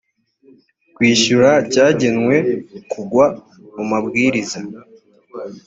kwishyura cyagenwe kugwa mu mabwiriza